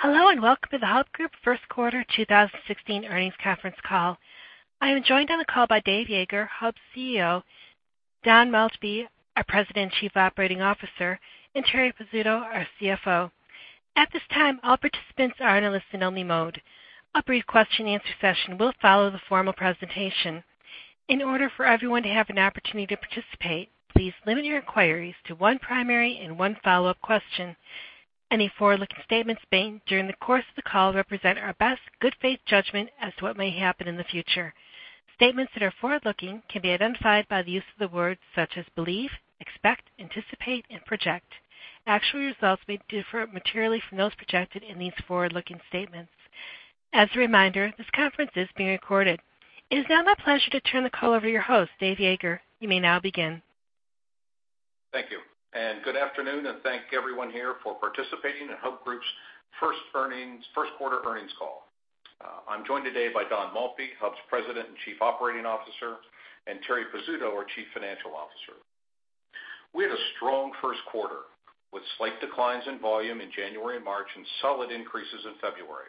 Hello, and welcome to the Hub Group First Quarter 2016 Earnings Conference Call. I am joined on the call by Dave Yeager, Hub's CEO, Don Maltby, our President and Chief Operating Officer, and Terri Pizzuto, our CFO. At this time, all participants are in a listen-only mode. A brief question-and-answer session will follow the formal presentation. In order for everyone to have an opportunity to participate, please limit your inquiries to one primary and one follow-up question. Any forward-looking statements made during the course of the call represent our best good faith judgment as to what may happen in the future. Statements that are forward-looking can be identified by the use of the words such as believe, expect, anticipate, and project. Actual results may differ materially from those projected in these forward-looking statements. As a reminder, this conference is being recorded. It is now my pleasure to turn the call over to your host, Dave Yeager. You may now begin. Thank you, and good afternoon, and thank everyone here for participating in Hub Group's first quarter earnings call. I'm joined today by Don Maltby, Hub's President and Chief Operating Officer, and Terri Pizzuto, our Chief Financial Officer. We had a strong first quarter, with slight declines in volume in January and March and solid increases in February.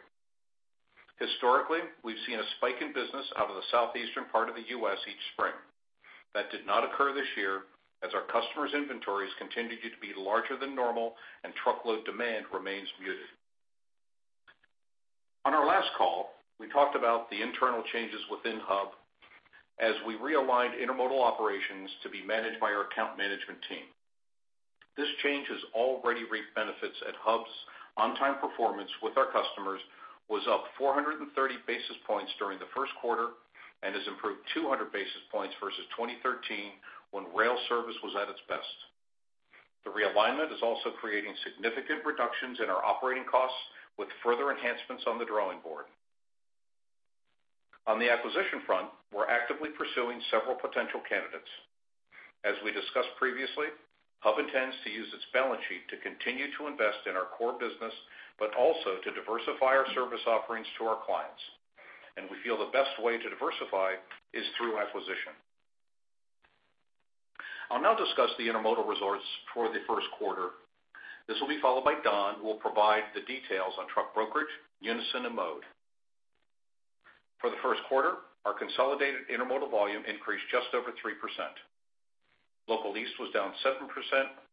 Historically, we've seen a spike in business out of the southeastern part of the U.S. each spring. That did not occur this year, as our customers' inventories continued to be larger than normal and truckload demand remains muted. On our last call, we talked about the internal changes within Hub as we realigned intermodal operations to be managed by our account management team. This change has already reaped benefits at Hub's on-time performance with our customers, was up 430 basis points during the first quarter, and has improved 200 basis points versus 2013, when rail service was at its best. The realignment is also creating significant reductions in our operating costs, with further enhancements on the drawing board. On the acquisition front, we're actively pursuing several potential candidates. As we discussed previously, Hub intends to use its balance sheet to continue to invest in our core business, but also to diversify our service offerings to our clients, and we feel the best way to diversify is through acquisition. I'll now discuss the intermodal results for the first quarter. This will be followed by Don, who will provide the details on truck brokerage, Unyson, and Mode. For the first quarter, our consolidated intermodal volume increased just over 3%. Local East was down 7%,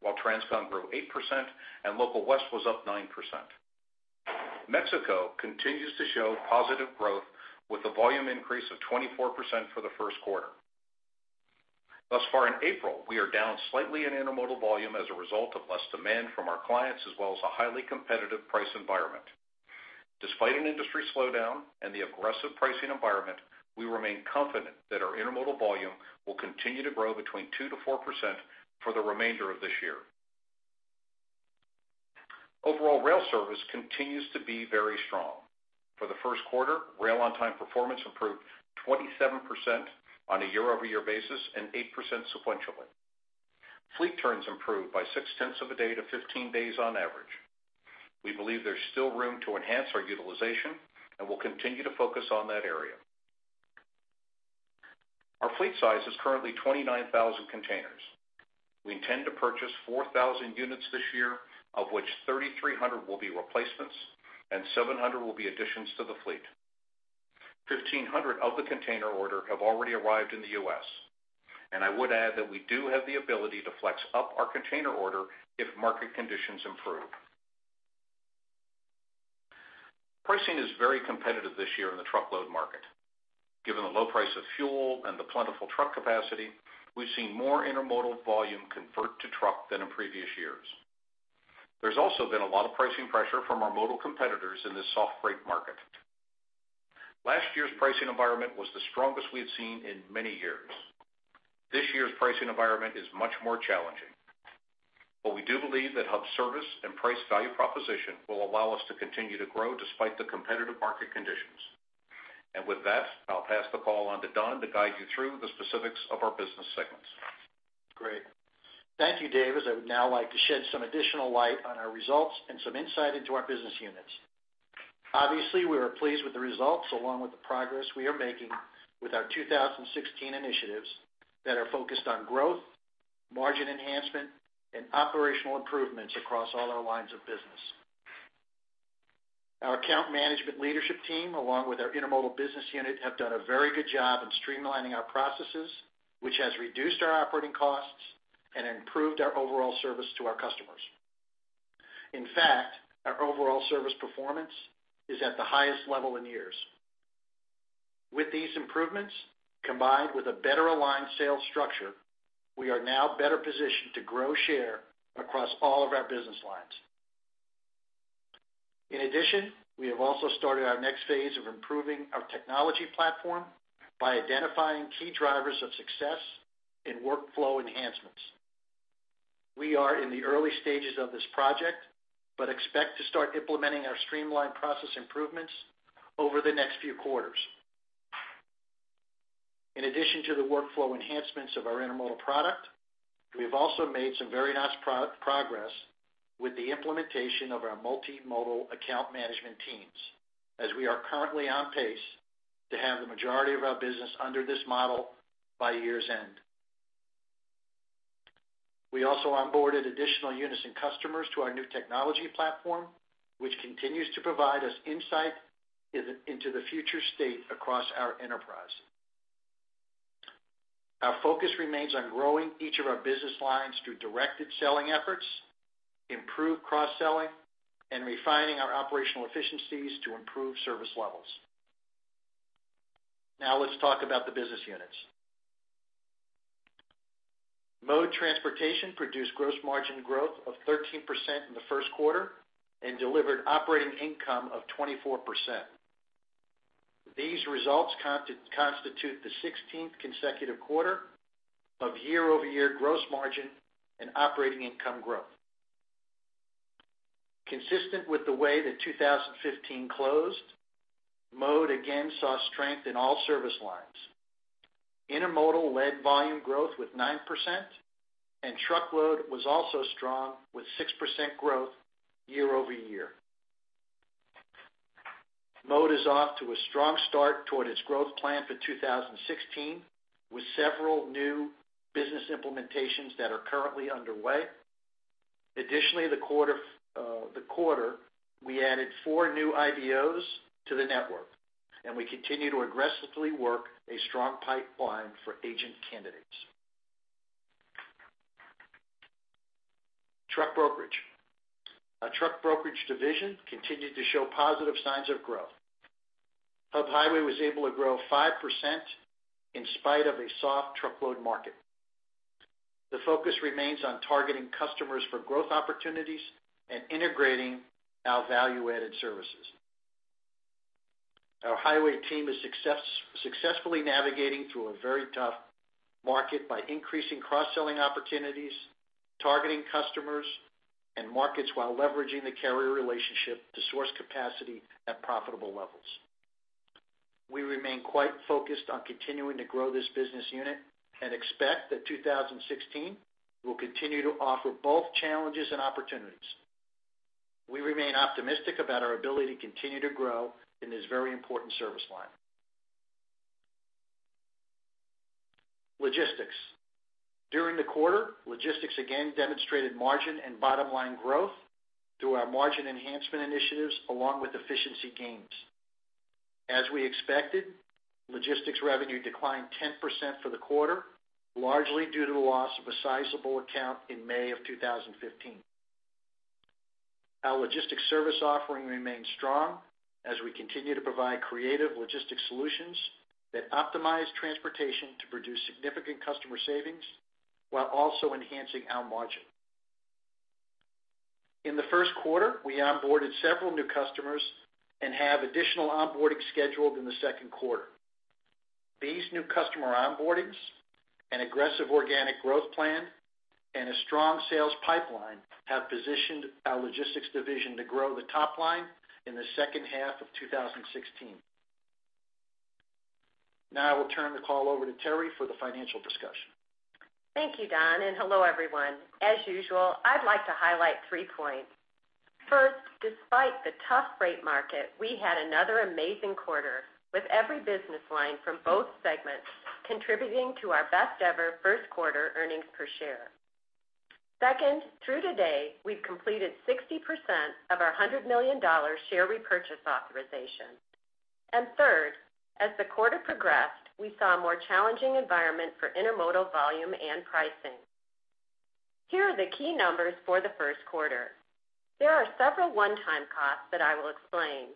while Transcon grew 8%, and Local West was up 9%. Mexico continues to show positive growth, with a volume increase of 24% for the first quarter. Thus far in April, we are down slightly in intermodal volume as a result of less demand from our clients, as well as a highly competitive price environment. Despite an industry slowdown and the aggressive pricing environment, we remain confident that our intermodal volume will continue to grow between 2%-4% for the remainder of this year. Overall, rail service continues to be very strong. For the first quarter, rail on-time performance improved 27% on a year-over-year basis and 8% sequentially. Fleet turns improved by six tenths of a day to 15 days on average. We believe there's still room to enhance our utilization, and we'll continue to focus on that area. Our fleet size is currently 29,000 containers. We intend to purchase 4,000 units this year, of which 3,300 will be replacements and 700 will be additions to the fleet. 1,500 of the container order have already arrived in the U.S., and I would add that we do have the ability to flex up our container order if market conditions improve. Pricing is very competitive this year in the truckload market. Given the low price of fuel and the plentiful truck capacity, we've seen more intermodal volume convert to truck than in previous years. There's also been a lot of pricing pressure from our modal competitors in this soft freight market. Last year's pricing environment was the strongest we had seen in many years. This year's pricing environment is much more challenging, but we do believe that Hub's service and price value proposition will allow us to continue to grow despite the competitive market conditions. With that, I'll pass the call on to Don to guide you through the specifics of our business segments. Great. Thank you, Dave. I would now like to shed some additional light on our results and some insight into our business units. Obviously, we are pleased with the results, along with the progress we are making with our 2016 initiatives that are focused on growth, margin enhancement, and operational improvements across all our lines of business. Our account management leadership team, along with our intermodal business unit, have done a very good job in streamlining our processes, which has reduced our operating costs and improved our overall service to our customers. In fact, our overall service performance is at the highest level in years. With these improvements, combined with a better aligned sales structure, we are now better positioned to grow share across all of our business lines. In addition, we have also started our next phase of improving our technology platform by identifying key drivers of success and workflow enhancements. We are in the early stages of this project, but expect to start implementing our streamlined process improvements over the next few quarters. In addition to the workflow enhancements of our intermodal product, we've also made some very nice progress with the implementation of our multimodal account management teams, as we are currently on pace to have the majority of our business under this model by year's end. We also onboarded additional Unyson customers to our new technology platform, which continues to provide us insight into the future state across our enterprise. Our focus remains on growing each of our business lines through directed selling efforts, improved cross-selling, and refining our operational efficiencies to improve service levels. Now, let's talk about the business units. Mode Transportation produced gross margin growth of 13% in the first quarter and delivered operating income of 24%. These results constitute the 16th consecutive quarter of year-over-year gross margin and operating income growth. Consistent with the way that 2015 closed, Mode again saw strength in all service lines. Intermodal led volume growth with 9%, and truckload was also strong with 6% growth year over year. Mode is off to a strong start toward its growth plan for 2016, with several new business implementations that are currently underway. Additionally, we added four new IBOs to the network, and we continue to aggressively work a strong pipeline for agent candidates. Truck brokerage. Our truck brokerage division continued to show positive signs of growth. Hub Highway was able to grow 5% in spite of a soft truckload market. The focus remains on targeting customers for growth opportunities and integrating our value-added services. Our highway team is successfully navigating through a very tough market by increasing cross-selling opportunities, targeting customers and markets, while leveraging the carrier relationship to source capacity at profitable levels. We remain quite focused on continuing to grow this business unit and expect that 2016 will continue to offer both challenges and opportunities. We remain optimistic about our ability to continue to grow in this very important service line. Logistics. During the quarter, logistics again demonstrated margin and bottom-line growth through our margin enhancement initiatives, along with efficiency gains. As we expected, logistics revenue declined 10% for the quarter, largely due to the loss of a sizable account in May of 2015. Our logistics service offering remains strong as we continue to provide creative logistics solutions that optimize transportation to produce significant customer savings while also enhancing our margin. In the first quarter, we onboarded several new customers and have additional onboarding scheduled in the second quarter. These new customer onboardings, an aggressive organic growth plan, and a strong sales pipeline have positioned our logistics division to grow the top line in the second half of 2016. Now I will turn the call over to Terri for the financial discussion. Thank you, Don, and hello, everyone. As usual, I'd like to highlight three points. First, despite the tough freight market, we had another amazing quarter, with every business line from both segments contributing to our best-ever first quarter earnings per share. Second, through today, we've completed 60% of our $100 million share repurchase authorization. Third, as the quarter progressed, we saw a more challenging environment for intermodal volume and pricing. Here are the key numbers for the first quarter. There are several one-time costs that I will explain.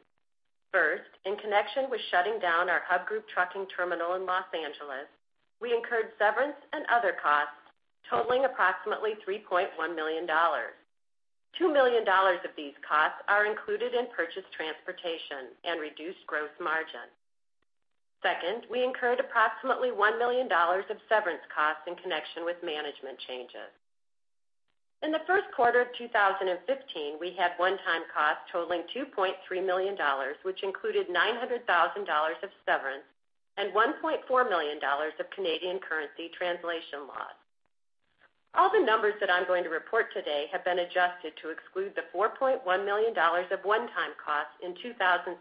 First, in connection with shutting down our Hub Group trucking terminal in Los Angeles, we incurred severance and other costs totaling approximately $3.1 million. $2 million of these costs are included in purchase transportation and reduced gross margin. Second, we incurred approximately $1 million of severance costs in connection with management changes. In the first quarter of 2015, we had one-time costs totaling $2.3 million, which included $900,000 of severance and $1.4 million of Canadian currency translation loss. All the numbers that I'm going to report today have been adjusted to exclude the $4.1 million of one-time costs in 2016,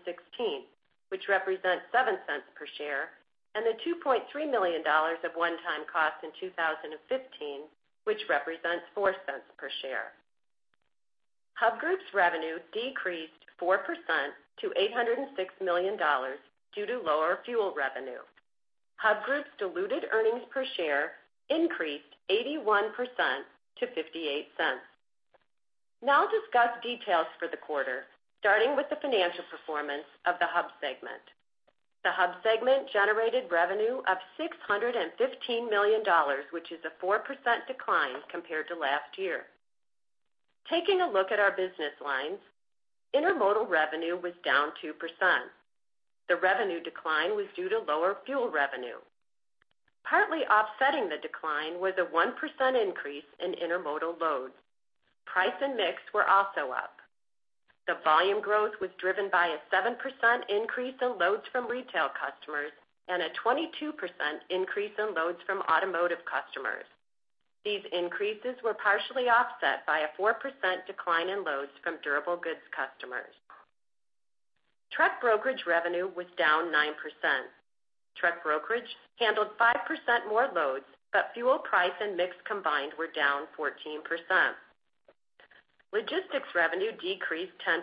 which represents 7 cents per share, and the $2.3 million of one-time costs in 2015, which represents 4 cents per share. Hub Group's revenue decreased 4% to $806 million due to lower fuel revenue. Hub Group's diluted earnings per share increased 81% to 58 cents. Now I'll discuss details for the quarter, starting with the financial performance of the Hub segment. The Hub segment generated revenue of $615 million, which is a 4% decline compared to last year. Taking a look at our business lines, intermodal revenue was down 2%. The revenue decline was due to lower fuel revenue. Partly offsetting the decline was a 1% increase in intermodal loads. Price and mix were also up. The volume growth was driven by a 7% increase in loads from retail customers and a 22% increase in loads from automotive customers. These increases were partially offset by a 4% decline in loads from durable goods customers.... Truck brokerage revenue was down 9%. Truck brokerage handled 5% more loads, but fuel price and mix combined were down 14%. Logistics revenue decreased 10%.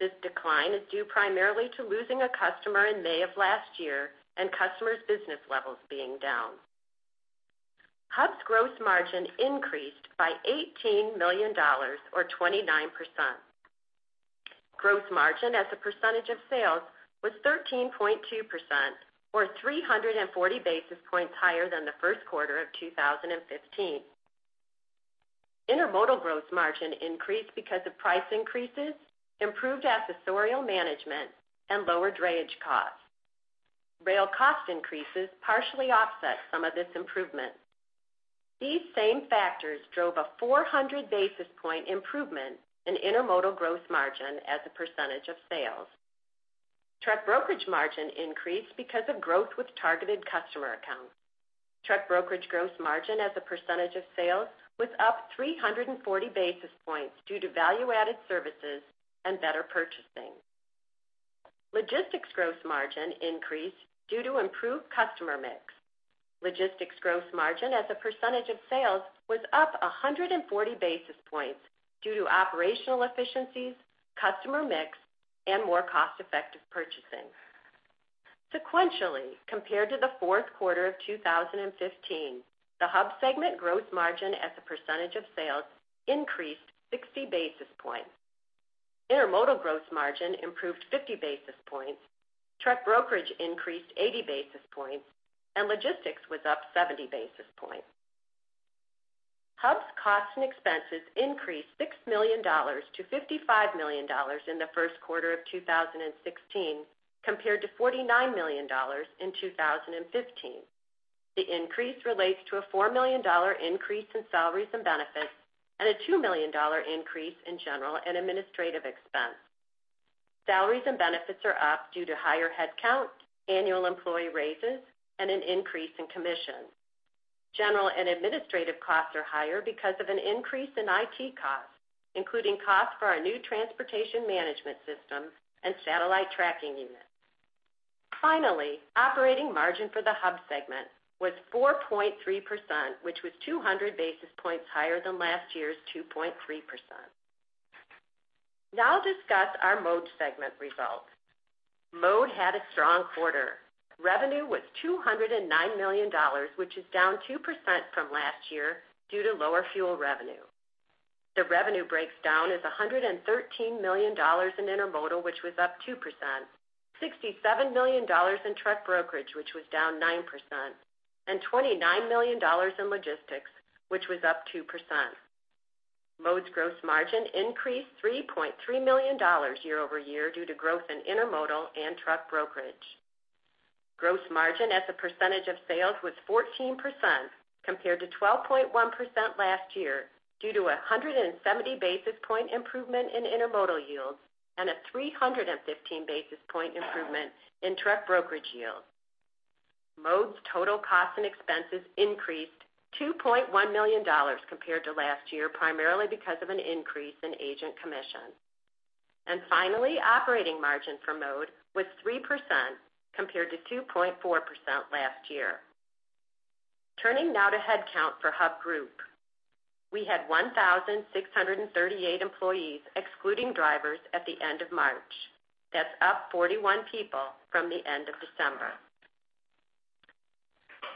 This decline is due primarily to losing a customer in May of last year and customers' business levels being down. Hub's gross margin increased by $18 million, or 29%. Gross margin as a percentage of sales was 13.2%, or 340 basis points higher than the first quarter of 2015. Intermodal gross margin increased because of price increases, improved accessorial management, and lower drayage costs. Rail cost increases partially offset some of this improvement. These same factors drove a 400 basis points improvement in intermodal gross margin as a percentage of sales. Truck brokerage margin increased because of growth with targeted customer accounts. Truck brokerage gross margin as a percentage of sales was up 340 basis points due to value-added services and better purchasing. Logistics gross margin increased due to improved customer mix. Logistics gross margin as a percentage of sales was up 140 basis points due to operational efficiencies, customer mix, and more cost-effective purchasing. Sequentially, compared to the fourth quarter of 2015, the Hub segment gross margin as a percentage of sales increased 60 basis points. Intermodal gross margin improved 50 basis points, truck brokerage increased 80 basis points, and logistics was up 70 basis points. Hub's costs and expenses increased $6 million to $55 million in the first quarter of 2016, compared to $49 million in 2015. The increase relates to a $4 million increase in salaries and benefits and a $2 million increase in general and administrative expense. Salaries and benefits are up due to higher headcount, annual employee raises, and an increase in commissions. General and administrative costs are higher because of an increase in IT costs, including costs for our new transportation management system and satellite tracking units. Finally, operating margin for the Hub segment was 4.3%, which was 200 basis points higher than last year's 2.3%. Now I'll discuss our Mode segment results. Mode had a strong quarter. Revenue was $209 million, which is down 2% from last year due to lower fuel revenue. The revenue breaks down as $113 million in intermodal, which was up 2%, $67 million in truck brokerage, which was down 9%, and $29 million in logistics, which was up 2%. Mode's gross margin increased $3.3 million year-over-year due to growth in intermodal and truck brokerage. Gross margin as a percentage of sales was 14%, compared to 12.1% last year, due to a 170 basis point improvement in intermodal yields and a 315 basis point improvement in truck brokerage yields. Mode's total costs and expenses increased $2.1 million compared to last year, primarily because of an increase in agent commissions. Finally, operating margin for Mode was 3%, compared to 2.4% last year. Turning now to headcount for Hub Group. We had 1,638 employees, excluding drivers, at the end of March. That's up 41 people from the end of December.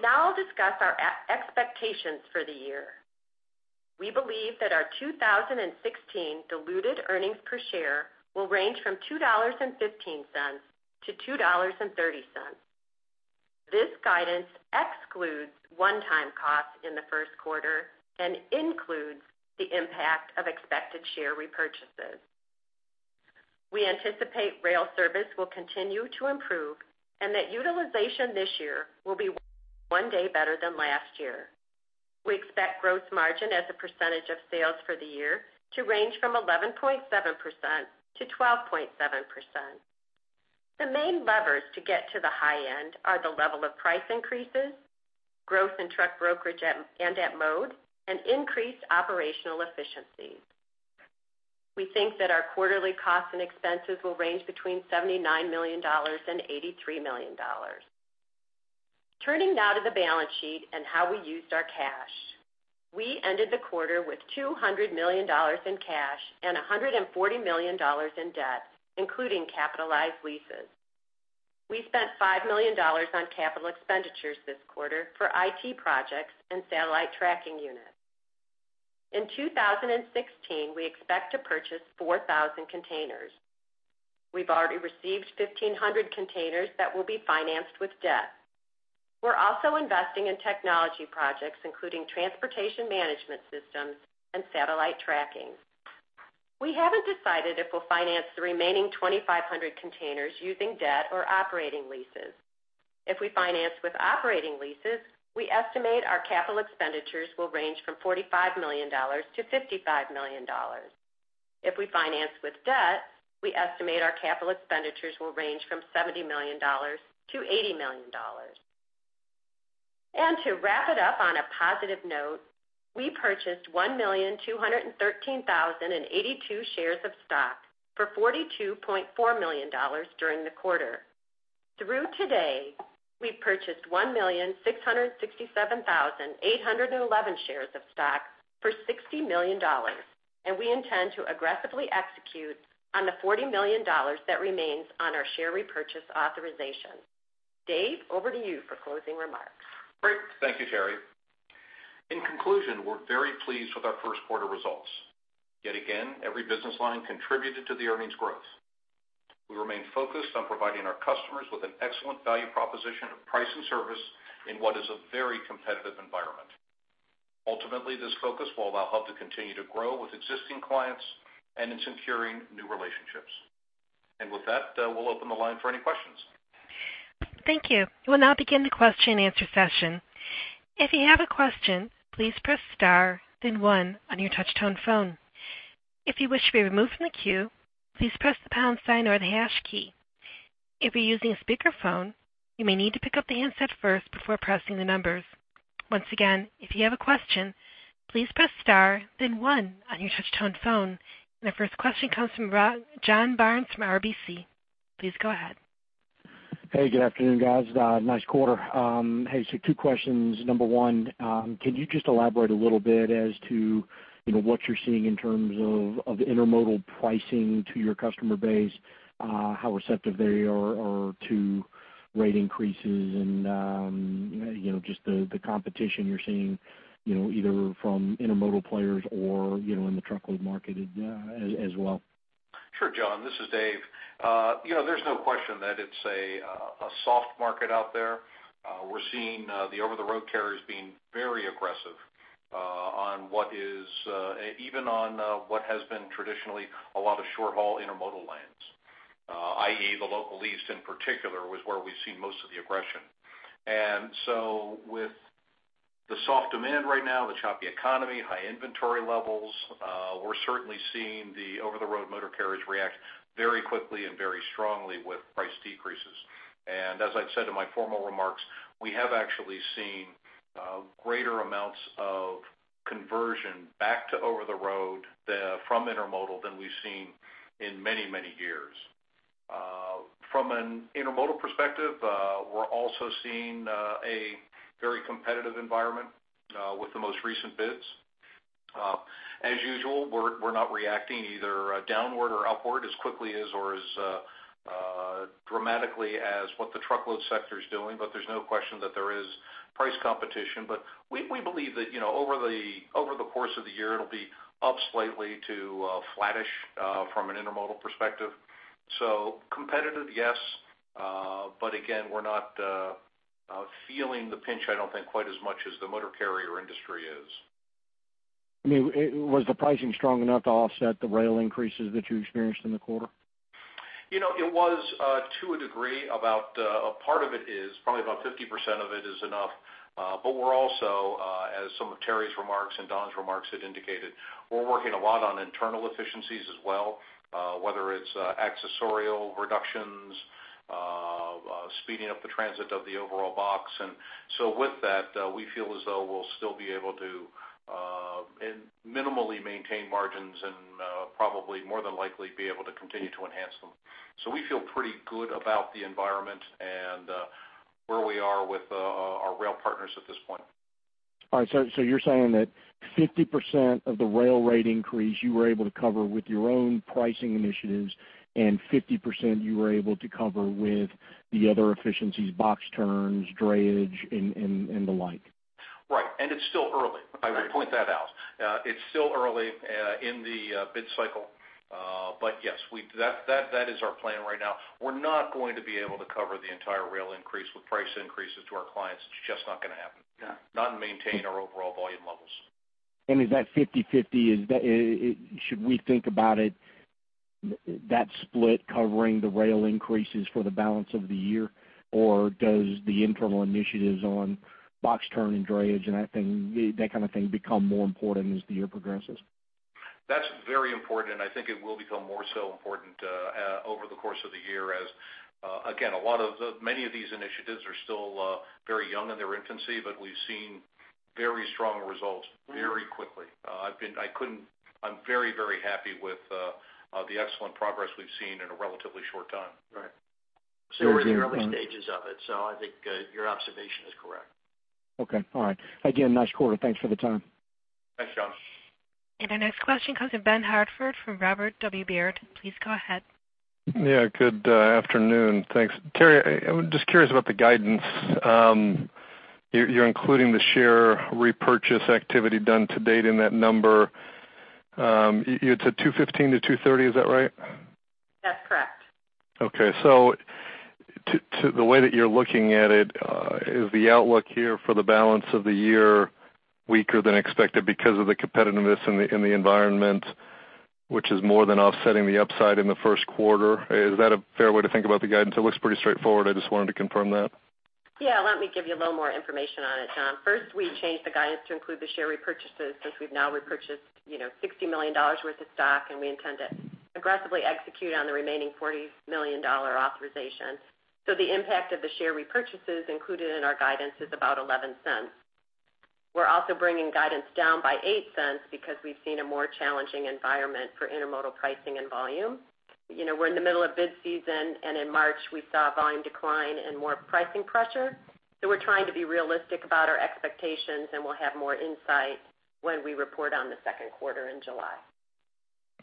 Now I'll discuss our expectations for the year. We believe that our 2016 diluted earnings per share will range from $2.15 to $2.30. This guidance excludes one-time costs in the first quarter and includes the impact of expected share repurchases. We anticipate rail service will continue to improve and that utilization this year will be one day better than last year. We expect gross margin as a percentage of sales for the year to range from 11.7%-12.7%. The main levers to get to the high end are the level of price increases, growth in truck brokerage and intermodal, and increased operational efficiency. We think that our quarterly costs and expenses will range between $79 million and $83 million. Turning now to the balance sheet and how we used our cash. We ended the quarter with $200 million in cash and $140 million in debt, including capitalized leases. We spent $5 million on capital expenditures this quarter for IT projects and satellite tracking units. In 2016, we expect to purchase 4,000 containers. We've already received 1,500 containers that will be financed with debt. We're also investing in technology projects, including transportation management systems and satellite tracking. We haven't decided if we'll finance the remaining 2,500 containers using debt or operating leases. If we finance with operating leases, we estimate our capital expenditures will range from $45 million to $55 million. If we finance with debt, we estimate our capital expenditures will range from $70 million to $80 million. And to wrap it up on a positive note, we purchased 1,213,082 shares of stock for $42.4 million during the quarter. Through today, we've purchased 1,667,811 shares of stock for $60 million, and we intend to aggressively execute on the $40 million that remains on our share repurchase authorization. Dave, over to you for closing remarks. Great. Thank you, Terri. In conclusion, we're very pleased with our first quarter results. Yet again, every business line contributed to the earnings growth. We remain focused on providing our customers with an excellent value proposition of price and service in what is a very competitive environment. Ultimately, this focus will allow Hub to continue to grow with existing clients and in securing new relationships. And with that, we'll open the line for any questions. Thank you. We'll now begin the question-and-answer session. If you have a question, please press star, then one on your touch-tone phone. If you wish to be removed from the queue, please press the pound sign or the hash key. If you're using a speakerphone, you may need to pick up the handset first before pressing the numbers. Once again, if you have a question, please press star, then one on your touch-tone phone. And our first question comes from John Barnes from RBC. Please go ahead. Hey, good afternoon, guys. Nice quarter. Hey, so two questions. Number one, can you just elaborate a little bit as to, you know, what you're seeing in terms of intermodal pricing to your customer base, how receptive they are to rate increases and, you know, just the competition you're seeing, you know, either from intermodal players or, you know, in the truckload market as well? Sure, John. This is Dave. You know, there's no question that it's a soft market out there. We're seeing the over-the-road carriers being very aggressive on what is even on what has been traditionally a lot of short-haul intermodal lanes. i.e., the local east, in particular, was where we've seen most of the aggression. And so with the soft demand right now, the choppy economy, high inventory levels, we're certainly seeing the over-the-road motor carriers react very quickly and very strongly with price decreases. And as I've said in my formal remarks, we have actually seen greater amounts of conversion back to over-the-road from intermodal than we've seen in many, many years. From an intermodal perspective, we're also seeing a very competitive environment with the most recent bids. As usual, we're not reacting either downward or upward as quickly as or as dramatically as what the truckload sector is doing, but there's no question that there is price competition. But we believe that, you know, over the course of the year, it'll be up slightly to flattish from an intermodal perspective. So competitive, yes, but again, we're not feeling the pinch, I don't think, quite as much as the motor carrier industry is. I mean, was the pricing strong enough to offset the rail increases that you experienced in the quarter? You know, it was, to a degree, about, a part of it is, probably about 50% of it is enough. But we're also, as some of Terri's remarks and Don's remarks had indicated, we're working a lot on internal efficiencies as well, whether it's, accessorial reductions, speeding up the transit of the overall box. And so with that, we feel as though we'll still be able to, and minimally maintain margins and, probably more than likely be able to continue to enhance them. So we feel pretty good about the environment and, where we are with, our rail partners at this point. All right, so, so you're saying that 50% of the rail rate increase, you were able to cover with your own pricing initiatives, and 50% you were able to cover with the other efficiencies, box turns, drayage, and, and, and the like? Right. It's still early. I would point that out. It's still early in the bid cycle, but yes, that is our plan right now. We're not going to be able to cover the entire rail increase with price increases to our clients. It's just not going to happen. Yeah. Now and maintain our overall volume levels. Is that 50/50? Should we think about it, that split covering the rail increases for the balance of the year? Or does the internal initiatives on box turn and drayage, and I think, that kind of thing, become more important as the year progresses? That's very important, and I think it will become more so important over the course of the year as, again, a lot of the many of these initiatives are still very young in their infancy, but we've seen very strong results very quickly. I'm very, very happy with the excellent progress we've seen in a relatively short time. Right. Still in the early stages of it, so I think, your observation is correct. Okay. All right. Again, nice quarter. Thanks for the time. Thanks, John. Our next question comes from Ben Hartford, from Robert W. Baird. Please go ahead. Yeah, good afternoon. Thanks. Terri, I'm just curious about the guidance. You're including the share repurchase activity done to date in that number. It's a $215-$230, is that right? That's correct. Okay, so to the way that you're looking at it, is the outlook here for the balance of the year weaker than expected because of the competitiveness in the environment, which is more than offsetting the upside in the first quarter? Is that a fair way to think about the guidance? It looks pretty straightforward. I just wanted to confirm that. Yeah, let me give you a little more information on it, Ben. First, we changed the guidance to include the share repurchases, since we've now repurchased, you know, $60 million worth of stock, and we intend to aggressively execute on the remaining $40 million authorization. So the impact of the share repurchases included in our guidance is about $0.11. We're also bringing guidance down by $0.08 because we've seen a more challenging environment for intermodal pricing and volume. You know, we're in the middle of bid season, and in March, we saw volume decline and more pricing pressure. So we're trying to be realistic about our expectations, and we'll have more insight when we report on the second quarter in July.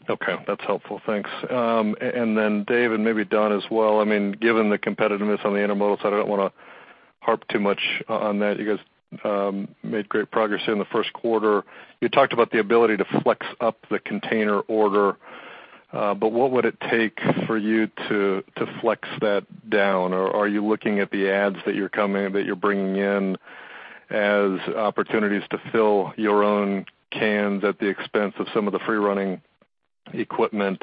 Okay, that's helpful. Thanks. And then Dave, and maybe Don as well, I mean, given the competitiveness on the intermodal side, I don't wanna harp too much on that. You guys made great progress in the first quarter. You talked about the ability to flex up the container order, but what would it take for you to flex that down? Or are you looking at the adds that you're bringing in as opportunities to fill your own cans at the expense of some of the free running equipment?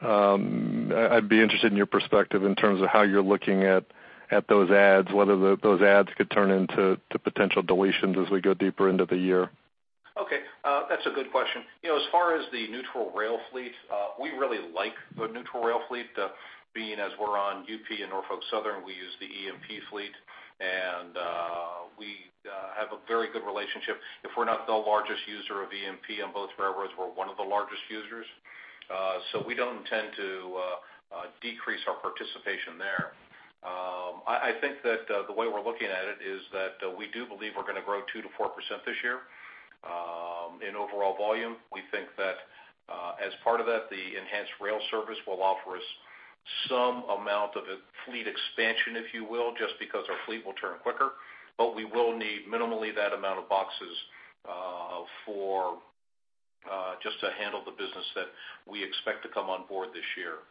I'd be interested in your perspective in terms of how you're looking at those adds, whether those adds could turn into potential deletions as we go deeper into the year. Okay, that's a good question. You know, as far as the neutral rail fleet, we really like the neutral rail fleet, being as we're on UP and Norfolk Southern, we use the EMP fleet, and we have a very good relationship. If we're not the largest user of EMP on both railroads, we're one of the largest users. So we don't intend to decrease our participation there. I think that the way we're looking at it is that we do believe we're gonna grow 2%-4% this year in overall volume. We think that, as part of that, the enhanced rail service will offer us some amount of a fleet expansion, if you will, just because our fleet will turn quicker, but we will need minimally that amount of boxes, for, just to handle the business that we expect to come on board this year.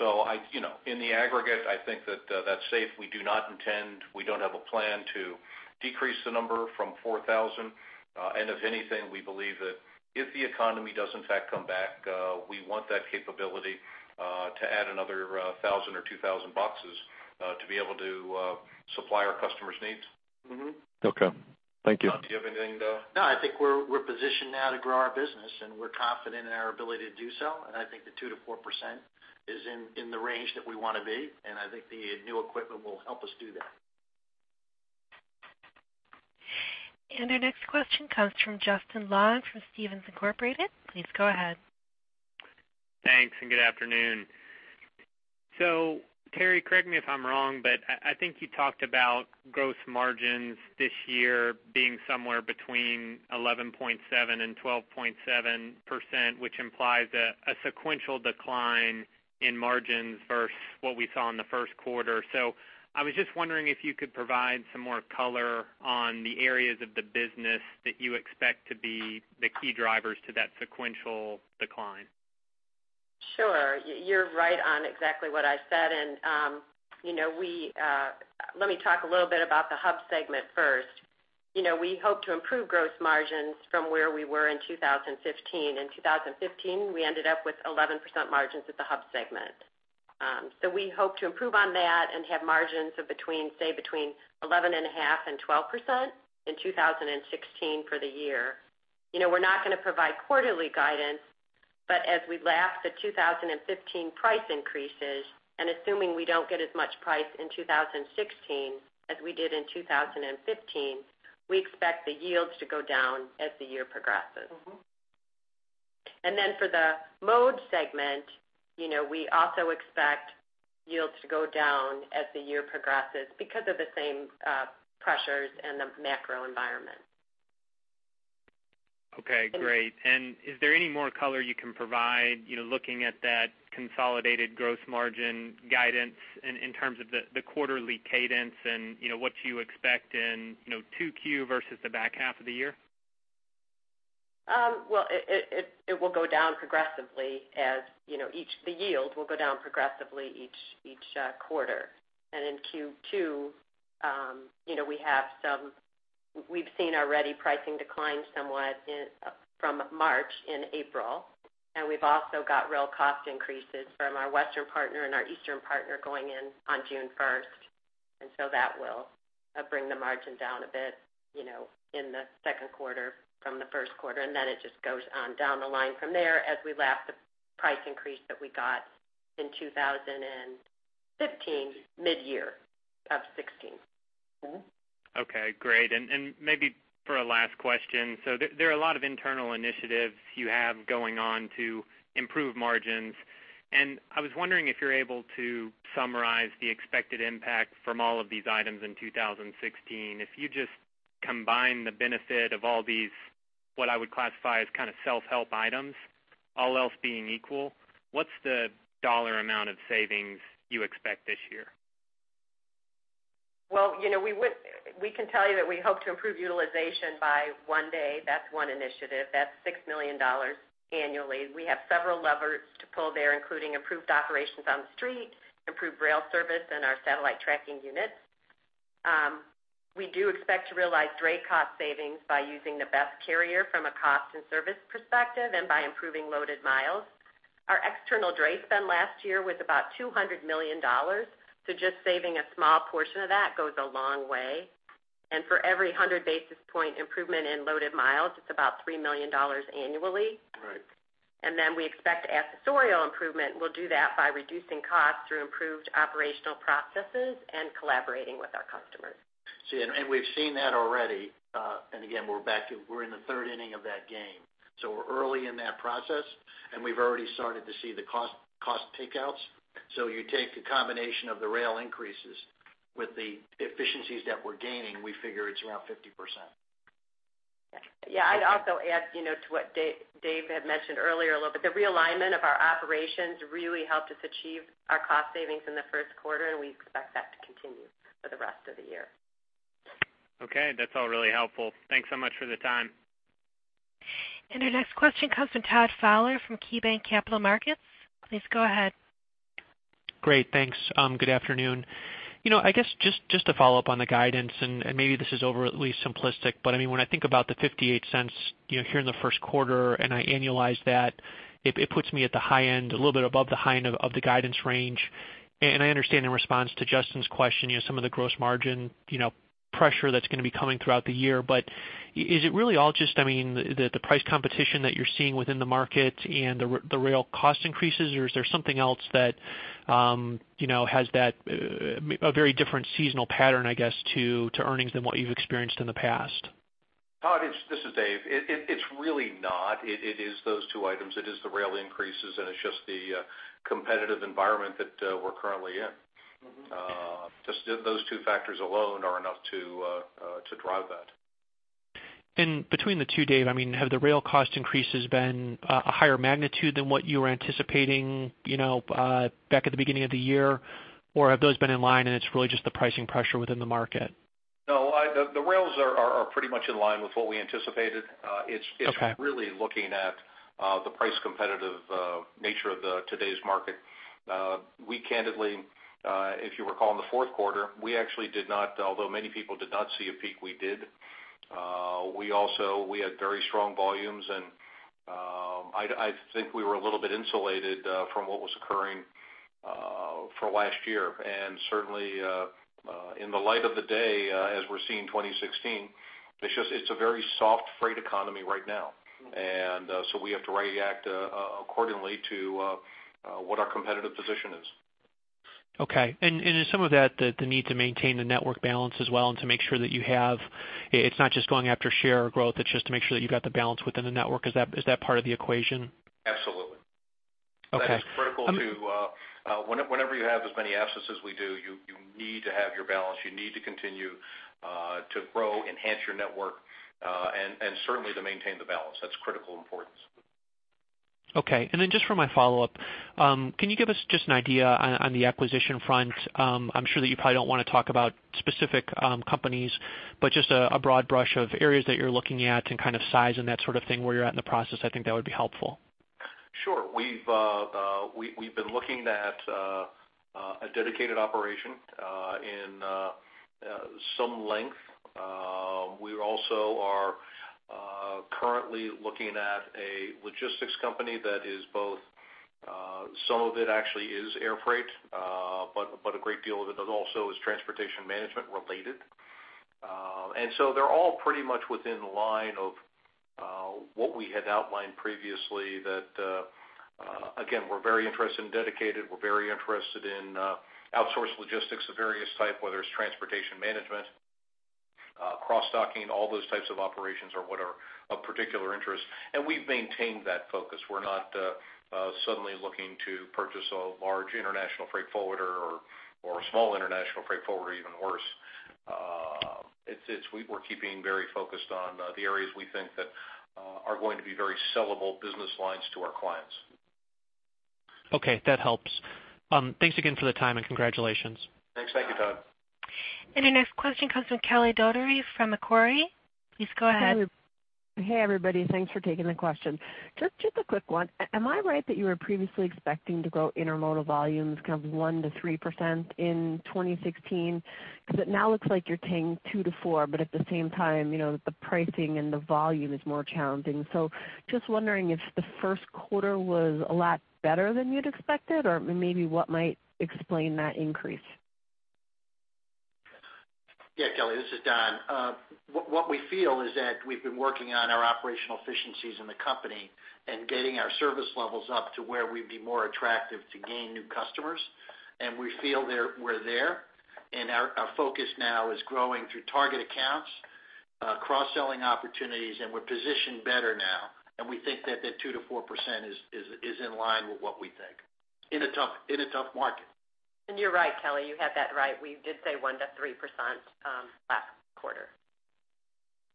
So you know, in the aggregate, I think that, that's safe. We do not intend, we don't have a plan to decrease the number from 4,000. And if anything, we believe that if the economy does in fact, come back, we want that capability, to add another, 1,000 or 2,000 boxes, to be able to, supply our customers' needs. Mm-hmm. Okay. Thank you. Don, do you have anything to? No, I think we're positioned now to grow our business, and we're confident in our ability to do so. I think the 2%-4% is in the range that we wanna be, and I think the new equipment will help us do that. Our next question comes from Justin Lawan from Stephens Inc. Please go ahead. Thanks, and good afternoon. So Terri, correct me if I'm wrong, but I think you talked about gross margins this year being somewhere between 11.7% and 12.7%, which implies a sequential decline in margins versus what we saw in the first quarter. So I was just wondering if you could provide some more color on the areas of the business that you expect to be the key drivers to that sequential decline. Sure. You're right on exactly what I said, and, you know, we, let me talk a little bit about the hub segment first. You know, we hope to improve gross margins from where we were in 2015. In 2015, we ended up with 11% margins at the hub segment. So we hope to improve on that and have margins of between, say, between 11.5% and 12% in 2016 for the year. You know, we're not gonna provide quarterly guidance, but as we lap the 2015 price increases, and assuming we don't get as much price in 2016 as we did in 2015, we expect the yields to go down as the year progresses. Mm-hmm. And then for the mode segment, you know, we also expect yields to go down as the year progresses because of the same pressures and the macro environment. Okay, great. And is there any more color you can provide, you know, looking at that consolidated gross margin guidance in terms of the quarterly cadence and, you know, what you expect in, you know, 2Q versus the back half of the year? Well, it will go down progressively, as you know, the yield will go down progressively each quarter. And in Q2, you know, we have some... We've seen already pricing decline somewhat in from March and April, and we've also got real cost increases from our western partner and our eastern partner going in on June 1st, and so that will bring the margin down a bit, you know, in the second quarter from the first quarter, and then it just goes on down the line from there as we lap the price increase that we got in 2015, midyear of 2016. Mm-hmm. Okay, great. And maybe for a last question, so there are a lot of internal initiatives you have going on to improve margins, and I was wondering if you're able to summarize the expected impact from all of these items in 2016. If you just combine the benefit of all these, what I would classify as kind of self-help items, all else being equal, what's the dollar amount of savings you expect this year? Well, you know, we can tell you that we hope to improve utilization by one day. That's one initiative. That's $6 million annually. We have several levers to pull there, including improved operations on the street, improved rail service, and our satellite tracking units. We do expect to realize dray cost savings by using the best carrier from a cost and service perspective and by improving loaded miles. Our external dray spend last year was about $200 million, so just saving a small portion of that goes a long way. And for every 100 basis point improvement in loaded miles, it's about $3 million annually. Right. Then we expect asset-light improvement will do that by reducing costs through improved operational processes and collaborating with our customers. See, and we've seen that already. And again, we're back to, we're in the third inning of that game. So we're early in that process, and we've already started to see the cost takeouts. So you take the combination of the rail increases with the efficiencies that we're gaining, we figure it's around 50%. Yeah, I'd also add, you know, to what Dave had mentioned earlier a little bit, the realignment of our operations really helped us achieve our cost savings in the first quarter, and we expect that to continue for the rest of the year. Okay. That's all really helpful. Thanks so much for the time. Our next question comes from Todd Fowler from KeyBanc Capital Markets. Please go ahead. Great, thanks. Good afternoon. You know, I guess just to follow up on the guidance, and maybe this is overly simplistic, but, I mean, when I think about the $0.58, you know, here in the first quarter, and I annualize that, it puts me at the high end, a little bit above the high end of the guidance range. And I understand in response to Justin's question, you know, some of the gross margin, you know, pressure that's gonna be coming throughout the year. But is it really all just, I mean, the price competition that you're seeing within the market and the rail cost increases, or is there something else that, you know, has that a very different seasonal pattern, I guess, to earnings than what you've experienced in the past? Todd, this is Dave. It's really not. It is those two items. It is the rail increases, and it's just the competitive environment that we're currently in. Mm-hmm. Just those two factors alone are enough to drive that. Between the two, Dave, I mean, have the rail cost increases been a higher magnitude than what you were anticipating, you know, back at the beginning of the year? Or have those been in line, and it's really just the pricing pressure within the market? No, the rails are pretty much in line with what we anticipated. It's- Okay/ It's really looking at the price competitive nature of the today's market. We candidly, if you recall, in the fourth quarter, we actually did not, although many people did not see a peak, we did. We also, we had very strong volumes, and, I'd, I think we were a little bit insulated from what was occurring for last year. And certainly, in the light of the day, as we're seeing 2016, it's just, it's a very soft freight economy right now. And, so we have to react accordingly to what our competitive position is. Okay. And in some of that, the need to maintain the network balance as well and to make sure that you have... It's not just going after share or growth, it's just to make sure that you've got the balance within the network. Is that part of the equation? Absolutely. Okay. That is critical to, whenever you have as many assets as we do, you need to have your balance. You need to continue to grow, enhance your network, and certainly to maintain the balance. That's critical importance. Okay. Just for my follow-up, can you give us just an idea on the acquisition front? I'm sure that you probably don't want to talk about specific companies, but just a broad brush of areas that you're looking at and kind of size and that sort of thing, where you're at in the process, I think that would be helpful. Sure. We've been looking at a dedicated operation in some length. We also are currently looking at a logistics company that is both, some of it actually is air freight, but a great deal of it also is transportation management related. And so they're all pretty much within the line of what we had outlined previously, that again, we're very interested in dedicated. We're very interested in outsource logistics of various type, whether it's transportation management, cross-docking, all those types of operations are what are of particular interest, and we've maintained that focus. We're not suddenly looking to purchase a large international freight forwarder or a small international freight forwarder, even worse. We're keeping very focused on the areas we think that are going to be very sellable business lines to our clients. Okay, that helps. Thanks again for the time, and congratulations. Thanks. Thank you, Todd. Our next question comes from Kelly Doherty from Macquarie. Please go ahead. Hey, everybody. Thanks for taking the question. Just a quick one. Am I right that you were previously expecting to grow intermodal volumes kind of 1%-3% in 2016? Because it now looks like you're saying 2%-4%, but at the same time, you know, the pricing and the volume is more challenging. So just wondering if the first quarter was a lot better than you'd expected, or maybe what might explain that increase? Yeah, Kelly, this is Don. What we feel is that we've been working on our operational efficiencies in the company and getting our service levels up to where we'd be more attractive to gain new customers, and we feel we're there. Our focus now is growing through target accounts, cross-selling opportunities, and we're positioned better now, and we think that the 2%-4% is in line with what we think in a tough market. And you're right, Kelly, you had that right. We did say 1%-3% last quarter.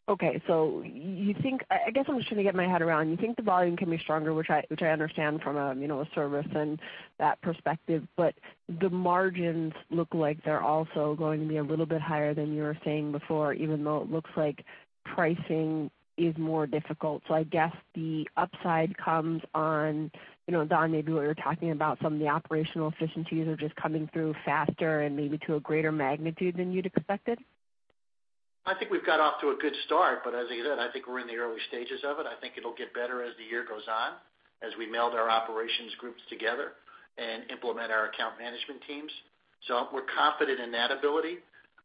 Okay, so you think I guess I'm just trying to get my head around. You think the volume can be stronger, which I understand from a you know a service and that perspective, but the margins look like they're also going to be a little bit higher than you were saying before, even though it looks like pricing is more difficult. So I guess the upside comes on, you know, Don, maybe what you're talking about, some of the operational efficiencies are just coming through faster and maybe to a greater magnitude than you'd expected? I think we've got off to a good start, but as I said, I think we're in the early stages of it. I think it'll get better as the year goes on, as we meld our operations groups together and implement our account management teams. So we're confident in that ability,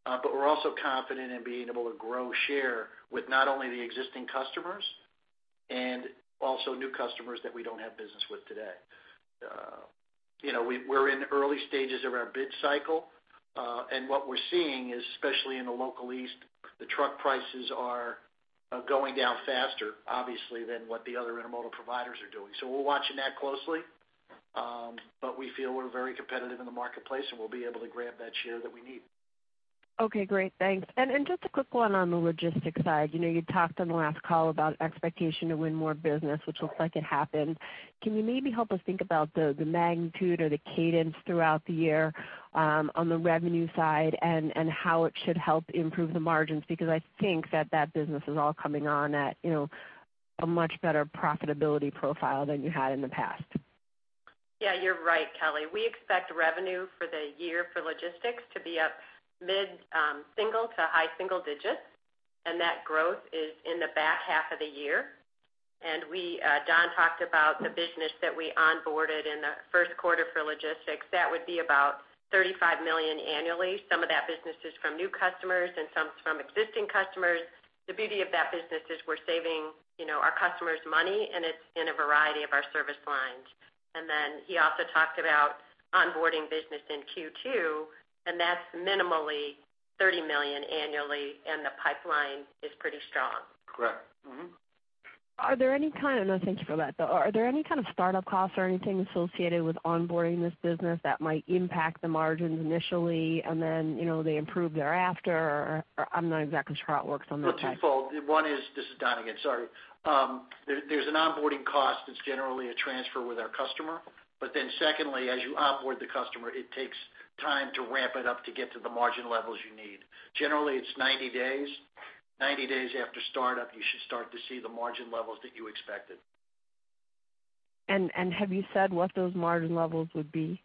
but we're also confident in being able to grow share with not only the existing customers and also new customers that we don't have business with today. You know, we're in the early stages of our bid cycle, and what we're seeing is, especially in the local east, the truck prices are going down faster, obviously, than what the other intermodal providers are doing. So we're watching that closely, but we feel we're very competitive in the marketplace, and we'll be able to grab that share that we need. Okay, great. Thanks. And just a quick one on the logistics side. You know, you talked on the last call about expectation to win more business, which looks like it happened. Can you maybe help us think about the magnitude or the cadence throughout the year on the revenue side, and how it should help improve the margins? Because I think that that business is all coming on at, you know, a much better profitability profile than you had in the past. Yeah, you're right, Kelly. We expect revenue for the year for logistics to be up mid-single- to high-single-digit, and that growth is in the back half of the year. We Don talked about the business that we onboarded in the first quarter for logistics. That would be about $35 million annually. Some of that business is from new customers, and some is from existing customers. The beauty of that business is we're saving, you know, our customers money, and it's in a variety of our service lines. And then he also talked about onboarding business in Q2, and that's minimally $30 million annually, and the pipeline is pretty strong. Correct. Mm-hmm. No, thank you for that, though. Are there any kind of startup costs or anything associated with onboarding this business that might impact the margins initially, and then, you know, they improve thereafter? Or I'm not exactly sure how it works on that side. Well, twofold. One is, this is Don again, sorry. There's an onboarding cost that's generally a transfer with our customer. But then secondly, as you onboard the customer, it takes time to ramp it up to get to the margin levels you need. Generally, it's 90 days. 90 days after startup, you should start to see the margin levels that you expected. Have you said what those margin levels would be?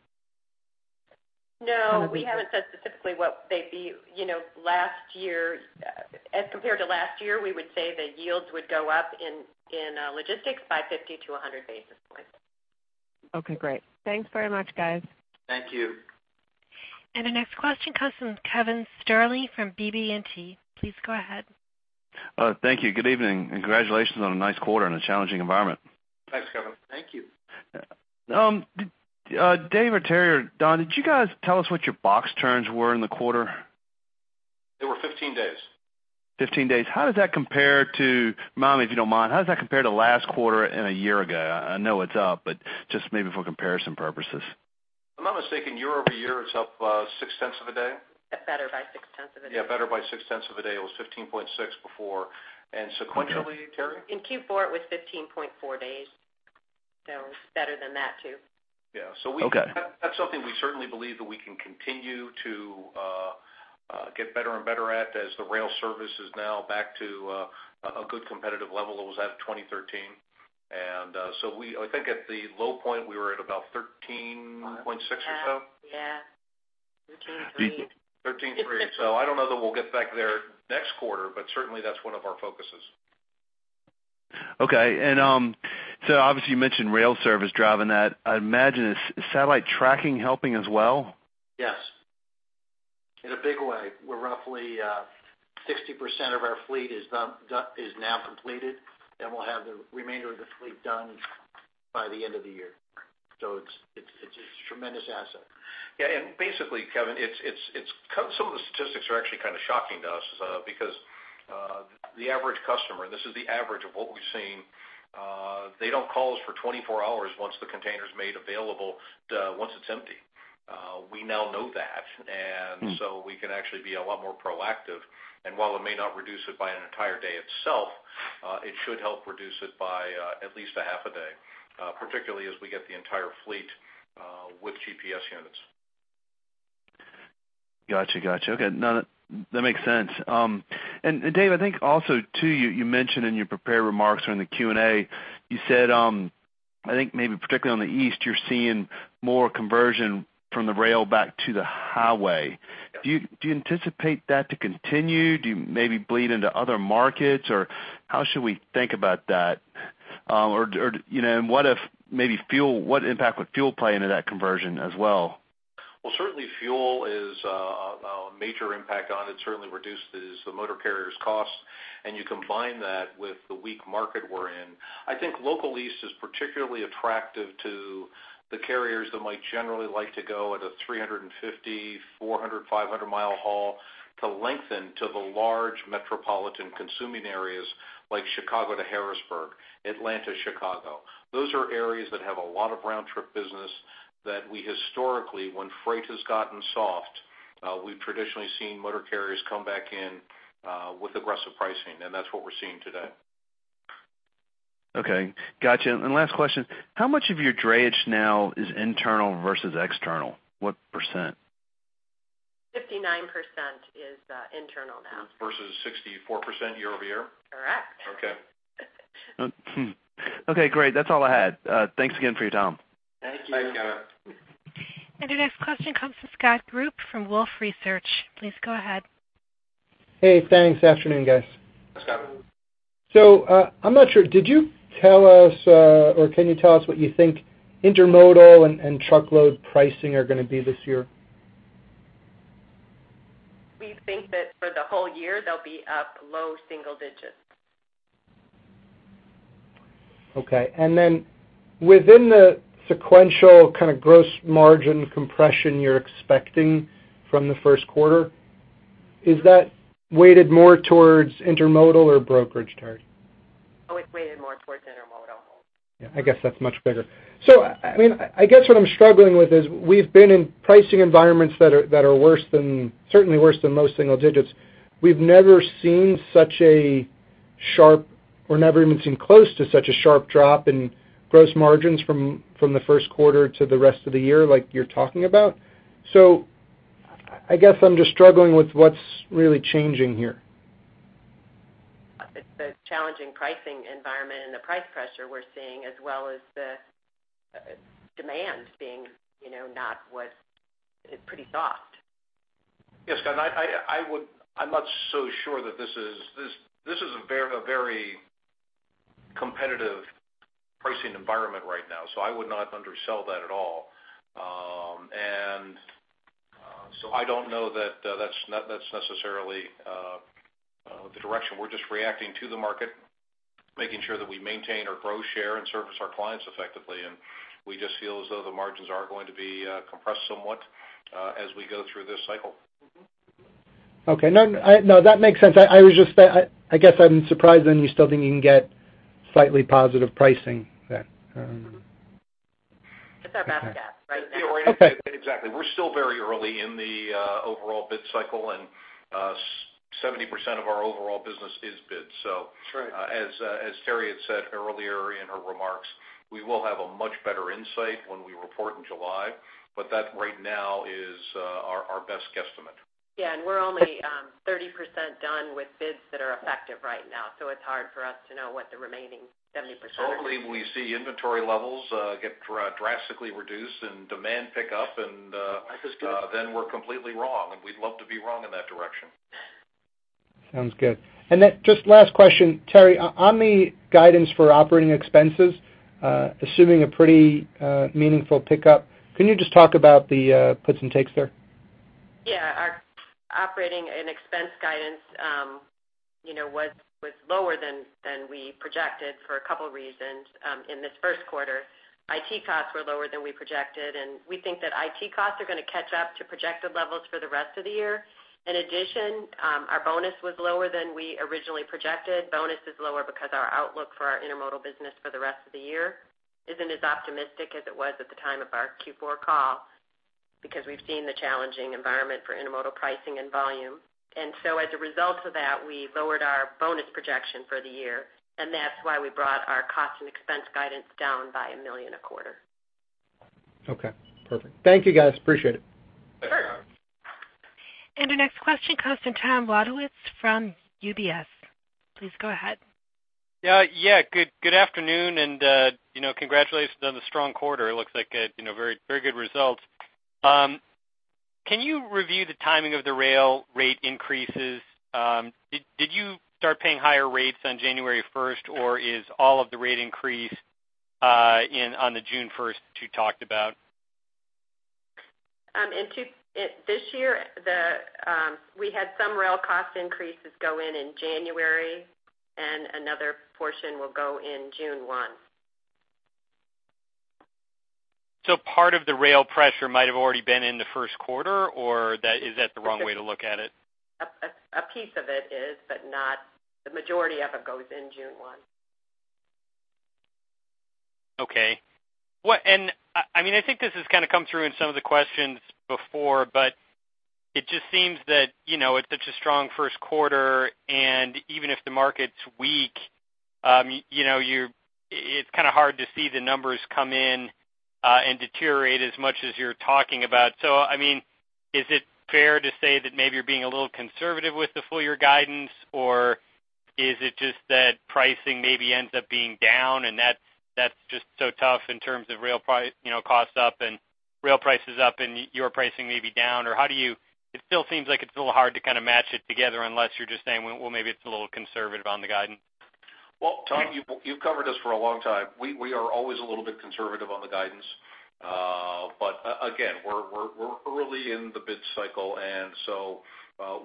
No, we haven't said specifically what they'd be. You know, last year, as compared to last year, we would say the yields would go up in logistics by 50-100 basis points. Okay, great. Thanks very much, guys. Thank you. The next question comes from Kevin Sterling from BB&T. Please go ahead. Thank you. Good evening, and congratulations on a nice quarter in a challenging environment. Thanks, Kevin. Thank you. Dave or Terri or Don, did you guys tell us what your box turns were in the quarter? They were 15 days. 15 days. How does that compare to, ma'am, if you don't mind, how does that compare to last quarter and a year ago? I know it's up, but just maybe for comparison purposes. If I'm not mistaken, year-over-year, it's up 0.6 of a day. Better by 0.6 of a day. Yeah, better by 0.6 of a day. It was 15.6 before. And sequentially, Terri? In Q4, it was 15.4 days, so it's better than that, too. Yeah. Okay. So that's something we certainly believe that we can continue to get better and better at as the rail service is now back to a good competitive level. It was at 2013. And so I think at the low point, we were at about 13.6 or so. Yeah, yeah. 13 3. 13.3. So I don't know that we'll get back there next quarter, but certainly that's one of our focuses. Okay. So obviously, you mentioned rail service driving that. I imagine, is satellite tracking helping as well? Yes, in a big way. We're roughly 60% of our fleet is done is now completed, and we'll have the remainder of the fleet done by the end of the year. So it's a tremendous asset. Yeah, and basically, Kevin, it's kind... Some of the statistics are actually kind of shocking to us, because the average customer, this is the average of what we've seen, they don't call us for 24 hours once the container's made available, once it's empty. We now know that, and- Mm. So we can actually be a lot more proactive. While it may not reduce it by an entire day itself, it should help reduce it by at least a half a day, particularly as we get the entire fleet with GPS units. Gotcha, gotcha. Okay, no, that makes sense. And Dave, I think also, too, you mentioned in your prepared remarks or in the Q&A, you said, I think maybe particularly on the east, you're seeing more conversion from the rail back to the highway. Yep. Do you anticipate that to continue? Do you maybe bleed into other markets, or how should we think about that? Or, you know, and what if maybe fuel, what impact would fuel play into that conversion as well? Well, certainly fuel is a major impact on it. It certainly reduces the motor carrier's costs, and you combine that with the weak market we're in. I think local lease is particularly attractive to the carriers that might generally like to go at a 350-, 400-, 500-mile haul, to lengthen to the large metropolitan consuming areas like Chicago to Harrisburg, Atlanta to Chicago. Those are areas that have a lot of round-trip business that we historically, when freight has gotten soft, we've traditionally seen motor carriers come back in with aggressive pricing, and that's what we're seeing today. Okay, gotcha. And last question, how much of your drayage now is internal versus external? What %? 59% is internal now. Versus 64% year-over-year? Correct. Okay. Okay, great. That's all I had. Thanks again for your time. Thank you. Thanks, Kevin. The next question comes from Scott Group from Wolfe Research. Please go ahead. Hey, thanks. Afternoon, guys. Scott. So, I'm not sure, did you tell us, or can you tell us what you think intermodal and truckload pricing are gonna be this year? We think that for the whole year, they'll be up low single digits. Okay. And then within the sequential kind of gross margin compression you're expecting from the first quarter, is that weighted more towards intermodal or brokerage, Terri? Oh, it's weighted more towards intermodal. Yeah, I guess that's much bigger. So, I, I mean, I guess what I'm struggling with is, we've been in pricing environments that are, that are worse than, certainly worse than most single digits. We've never seen such a sharp, or never even seen close to such a sharp drop in gross margins from, from the first quarter to the rest of the year like you're talking about. So I guess I'm just struggling with what's really changing here. It's the challenging pricing environment and the price pressure we're seeing, as well as the demand being, you know, not what... It's pretty soft. Yes, Scott, I would. I'm not so sure that this is a very competitive pricing environment right now, so I would not undersell that at all. So I don't know that that's necessarily the direction. We're just reacting to the market, making sure that we maintain or grow share and service our clients effectively, and we just feel as though the margins are going to be compressed somewhat as we go through this cycle. Mm-hmm. Okay, no. No, that makes sense. I was just, I guess I'm surprised then you still think you can get slightly positive pricing then. It's our best guess right now. Okay. Exactly. We're still very early in the overall bid cycle, and 70% of our overall business is bids. Sure. So, as Terri had said earlier in her remarks, we will have a much better insight when we report in July, but that right now is our best guesstimate. Yeah, and we're only 30% done with bids that are effective right now, so it's hard for us to know what the remaining 70% are going to be. Hopefully, we see inventory levels get drastically reduced and demand pick up, and That's good Then we're completely wrong, and we'd love to be wrong in that direction. Sounds good. And then just last question, Terri, on the guidance for operating expenses, assuming a pretty meaningful pickup, can you just talk about the puts and takes there? Yeah. Our operating and expense guidance, you know, was lower than we projected for a couple reasons. In this first quarter, IT costs were lower than we projected, and we think that IT costs are gonna catch up to projected levels for the rest of the year. In addition, our bonus was lower than we originally projected. Bonus is lower because our outlook for our intermodal business for the rest of the year isn't as optimistic as it was at the time of our Q4 call, because we've seen the challenging environment for intermodal pricing and volume. And so as a result of that, we lowered our bonus projection for the year, and that's why we brought our cost and expense guidance down by $1 million a quarter. Okay, perfect. Thank you, guys. Appreciate it. Sure. Thanks, Scott. Our next question comes from Tom Wadewitz from UBS. Please go ahead. Yeah, good, good afternoon, and, you know, congratulations on the strong quarter. It looks like a, you know, very, very good results. Can you review the timing of the rail rate increases? Did, did you start paying higher rates on January 1st, or is all of the rate increase, in- on the June 1st, you talked about? In 2Q this year, we had some rail cost increases go in, in January, and another portion will go in June 1. So part of the rail pressure might have already been in the first quarter, or is that the right way to look at it? A piece of it is, but not the majority of it goes in June 1. Okay. What? And I mean, I think this has kind of come through in some of the questions before, but it just seems that, you know, it's such a strong first quarter, and even if the market's weak, you know, you're- it, it's kind of hard to see the numbers come in, and deteriorate as much as you're talking about. So I mean, is it fair to say that maybe you're being a little conservative with the full year guidance, or is it just that pricing maybe ends up being down and that's, that's just so tough in terms of rail price, you know, costs up and rail prices up and y- your pricing may be down, or how do you... It still seems like it's a little hard to kind of match it together unless you're just saying, "Well, well, maybe it's a little conservative on the guidance. Well, Tom, you've covered us for a long time. We are always a little bit conservative on the guidance. But again, we're early in the bid cycle, and so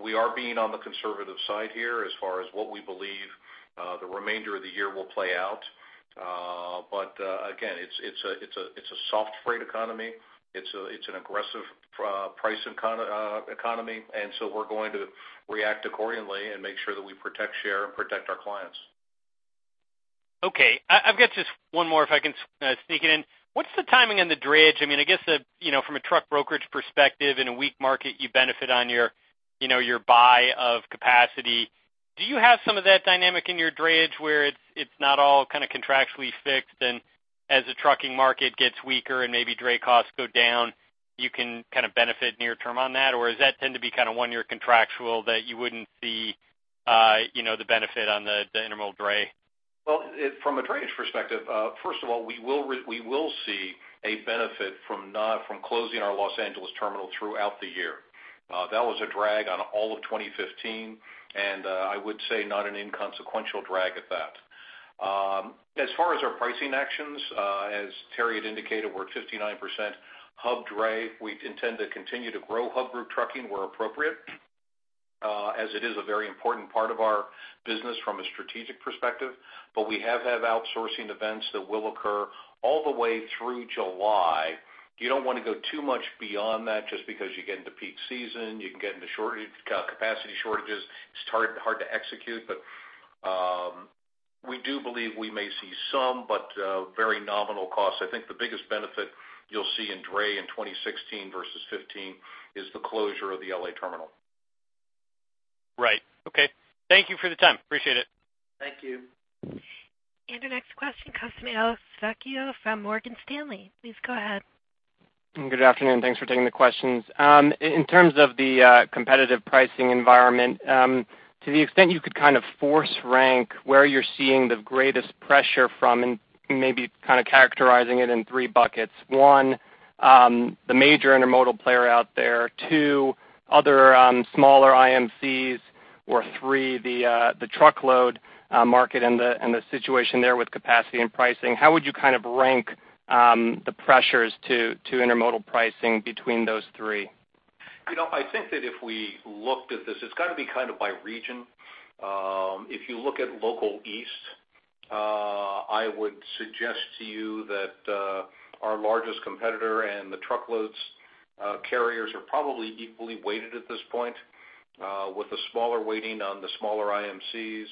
we are being on the conservative side here as far as what we believe the remainder of the year will play out. But again, it's a soft freight economy. It's an aggressive price economy, and so we're going to react accordingly and make sure that we protect share and protect our clients. Okay. I've got just one more, if I can sneak it in. What's the timing on the drayage? I mean, I guess you know, from a truck brokerage perspective, in a weak market, you benefit on your, you know, your buy of capacity. Do you have some of that dynamic in your drayage, where it's not all kind of contractually fixed, and as the trucking market gets weaker and maybe dray costs go down, you can kind of benefit near term on that, or does that tend to be kind of one-year contractual that you wouldn't see? You know, the benefit on the intermodal dray? Well, from a drayage perspective, first of all, we will see a benefit from closing our Los Angeles terminal throughout the year. That was a drag on all of 2015, and I would say not an inconsequential drag at that. As far as our pricing actions, as Terri had indicated, we're at 59% Hub dray. We intend to continue to grow Hub Group trucking where appropriate, as it is a very important part of our business from a strategic perspective, but we have had outsourcing events that will occur all the way through July. You don't want to go too much beyond that just because you get into peak season, you can get into capacity shortages. It's hard, hard to execute, but, we do believe we may see some, but, very nominal costs. I think the biggest benefit you'll see in dray in 2016 versus 2015 is the closure of the L.A. terminal. Right. Okay. Thank you for the time. Appreciate it. Thank you. Our next question comes from Alex Fuocchio from Morgan Stanley. Please go ahead. Good afternoon, thanks for taking the questions. In terms of the competitive pricing environment, to the extent you could kind of force rank where you're seeing the greatest pressure from, and maybe kind of characterizing it in three buckets. One, the major intermodal player out there. Two, other smaller IMCs, or three, the truckload market and the situation there with capacity and pricing. How would you kind of rank the pressures to intermodal pricing between those three? You know, I think that if we looked at this, it's got to be kind of by region. If you look at local east, I would suggest to you that our largest competitor and the truckloads carriers are probably equally weighted at this point, with a smaller weighting on the smaller IMCs.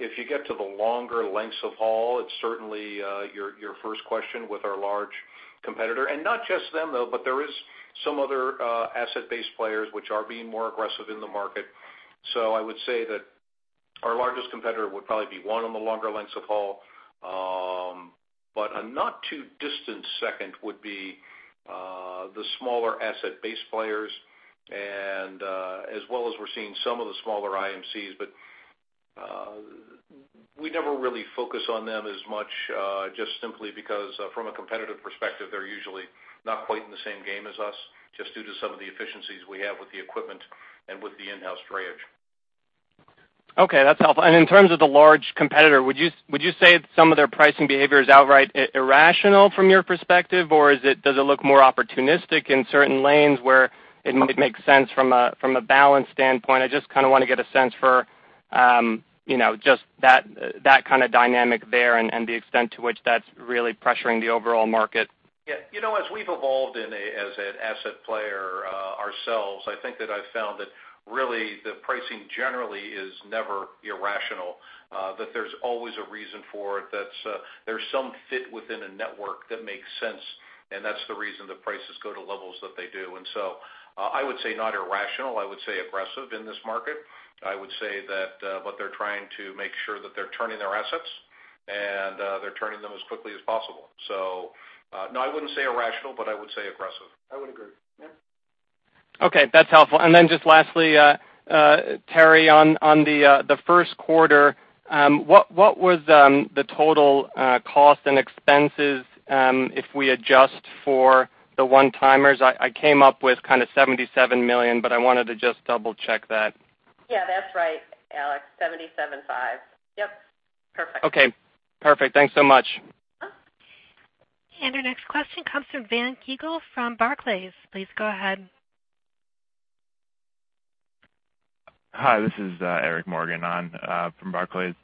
If you get to the longer lengths of haul, it's certainly your first question with our large competitor, and not just them, though, but there is some other asset-based players which are being more aggressive in the market. So I would say that our largest competitor would probably be one on the longer lengths of haul. But a not too distant second would be the smaller asset-based players, and as well as we're seeing some of the smaller IMCs. We never really focus on them as much, just simply because, from a competitive perspective, they're usually not quite in the same game as us, just due to some of the efficiencies we have with the equipment and with the in-house drayage. Okay, that's helpful. In terms of the large competitor, would you, would you say some of their pricing behavior is outright irrational from your perspective, or is it, does it look more opportunistic in certain lanes where it might make sense from a, from a balance standpoint? I just kind of want to get a sense for, you know, just that, that kind of dynamic there and, and the extent to which that's really pressuring the overall market. Yeah, you know, as we've evolved in a, as an asset player, ourselves, I think that I've found that really the pricing generally is never irrational, that there's always a reason for it. That's, there's some fit within a network that makes sense, and that's the reason the prices go to levels that they do. And so, I would say not irrational, I would say aggressive in this market. I would say that, but they're trying to make sure that they're turning their assets, and, they're turning them as quickly as possible. So, no, I wouldn't say irrational, but I would say aggressive. I would agree. Yeah. Okay, that's helpful. And then just lastly, Terri, on the first quarter, what was the total cost and expenses, if we adjust for the one-timers? I came up with kind of $77 million, but I wanted to just double-check that. Yeah, that's right, Alex, $77.5. Yep, perfect. Okay, perfect. Thanks so much. Uh-huh. Our next question comes from Van Keppel from Barclays. Please go ahead. Hi, this is Eric Morgan on from Barclays.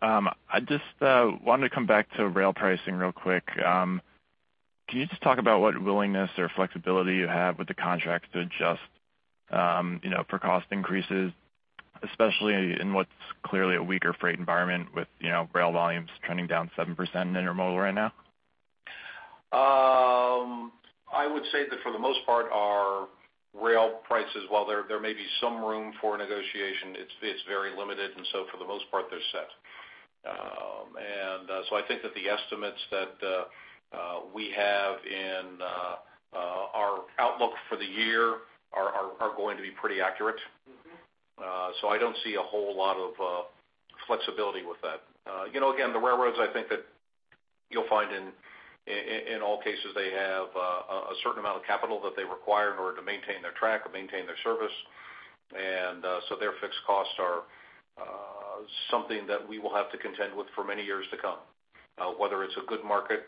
I just wanted to come back to rail pricing real quick. Can you just talk about what willingness or flexibility you have with the contracts to adjust, you know, for cost increases, especially in what's clearly a weaker freight environment with, you know, rail volumes trending down 7% in intermodal right now? I would say that for the most part, our rail prices, while there may be some room for negotiation, it's very limited, and so for the most part, they're set. So I think that the estimates that we have in our outlook for the year are going to be pretty accurate. Mm-hmm. So I don't see a whole lot of flexibility with that. You know, again, the railroads, I think that you'll find in all cases, they have a certain amount of capital that they require in order to maintain their track or maintain their service. And so their fixed costs are something that we will have to contend with for many years to come, whether it's a good market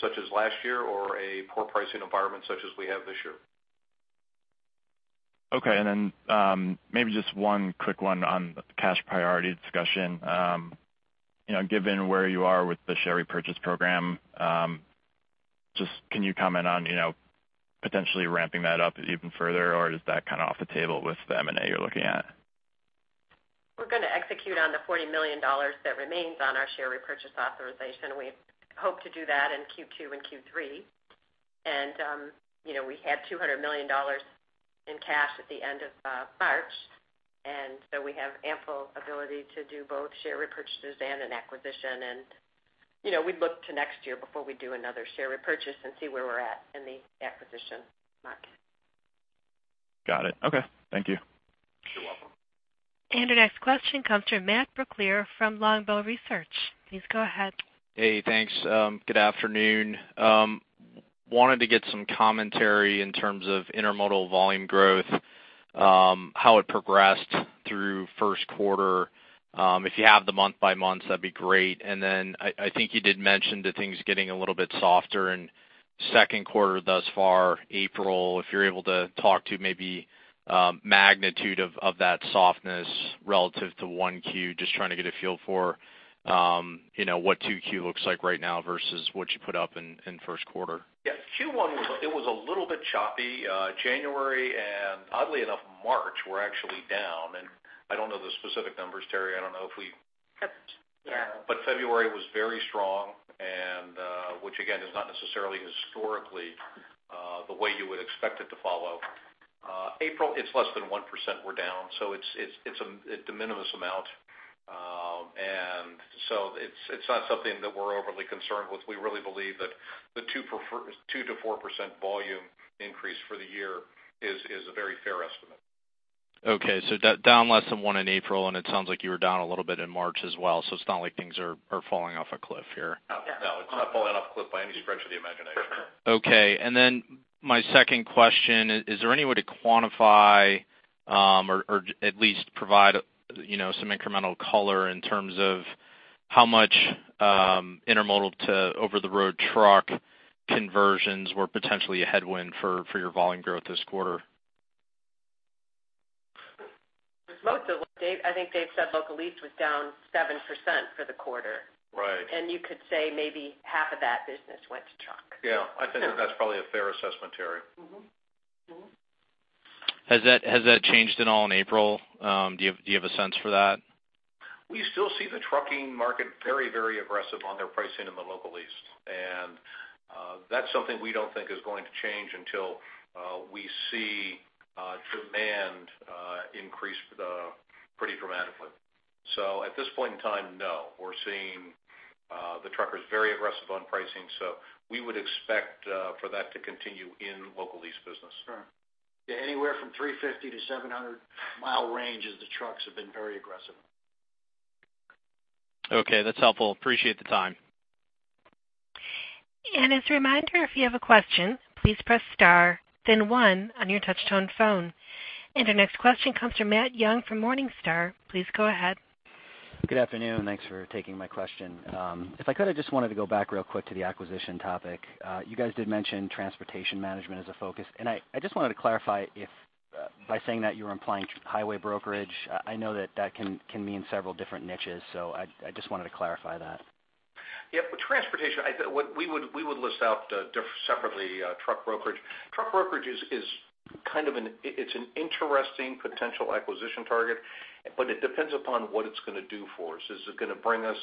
such as last year, or a poor pricing environment such as we have this year. Okay. Then, maybe just one quick one on the cash priority discussion. You know, given where you are with the share repurchase program, just can you comment on, you know, potentially ramping that up even further, or is that kind of off the table with the M&A you're looking at? We're going to execute on the $40 million that remains on our share repurchase authorization. We hope to do that in Q2 and Q3. And, you know, we had $200 million in cash at the end of March, and so we have ample ability to do both share repurchases and an acquisition. You know, we'd look to next year before we do another share repurchase and see where we're at in the acquisition market. Got it. Okay. Thank you. You're welcome. Our next question comes from Matt Brickley from Longbow Research. Please go ahead. Hey, thanks. Good afternoon. Wanted to get some commentary in terms of intermodal volume growth, how it progressed through first quarter. If you have the month by months, that'd be great. And then I think you did mention that things getting a little bit softer in second quarter thus far, April, if you're able to talk to maybe magnitude of that softness relative to 1Q. Just trying to get a feel for, you know, what 2Q looks like right now versus what you put up in first quarter. Yeah, Q1, it was a little bit choppy. January and, oddly enough, March, were actually down, and I don't know the specific numbers, Terri. I don't know if we- Yep. Yeah. But February was very strong, and, which again, is not necessarily historically the way you would expect it to follow. April, it's less than 1% we're down, so it's a de minimis amount. And so it's not something that we're overly concerned with. We really believe that the 2%-4% volume increase for the year is a very fair estimate. Okay. So down less than 1 in April, and it sounds like you were down a little bit in March as well, so it's not like things are falling off a cliff here. No, it's not falling off a cliff by any stretch of the imagination. Okay. And then my second question, is there any way to quantify, or at least provide, you know, some incremental color in terms of how much intermodal to over-the-road truck conversions were potentially a headwind for your volume growth this quarter? Most of them, Dave, I think they've said local lease was down 7% for the quarter. Right. You could say maybe half of that business went to truck. Yeah, I think that's probably a fair assessment, Terri. Mm-hmm. Mm-hmm. Has that changed at all in April? Do you have a sense for that? We still see the trucking market very, very aggressive on their pricing in the local lease, and, that's something we don't think is going to change until, we see, demand, increase, pretty dramatically. So at this point in time, no. We're seeing, the truckers very aggressive on pricing, so we would expect, for that to continue in local lease business. Sure. Yeah, anywhere from 350-700 mile range, as the trucks have been very aggressive. Okay, that's helpful. Appreciate the time. As a reminder, if you have a question, please press star then one on your touchtone phone. Our next question comes from Matt Young from Morningstar. Please go ahead. Good afternoon. Thanks for taking my question. If I could, I just wanted to go back real quick to the acquisition topic. You guys did mention transportation management as a focus, and I, I just wanted to clarify if by saying that you were implying highway brokerage. I know that that can, can mean several different niches, so I, I just wanted to clarify that. Yep. With transportation, I think what we would—we would list out, separately, truck brokerage. Truck brokerage is kind of an... It's an interesting potential acquisition target, but it depends upon what it's going to do for us. Is it going to bring us,